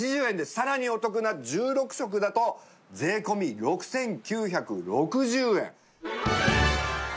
さらにお得な１６食だと税込６９６０円。